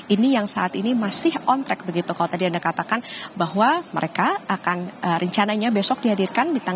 ini yang saat ini masih on track begitu kalau tadi anda katakan bahwa mereka akan rencananya besok dihadirkan